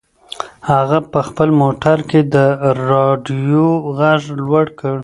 هغه په خپل موټر کې د رادیو غږ لوړ کړ.